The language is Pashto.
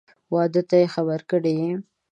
واده ته یې خبر کړی یې؟